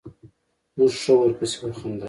موږ ښه ورپسې وخندل.